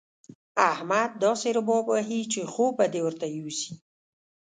احمد داسې رباب وهي چې خوب به دې ورته يوسي.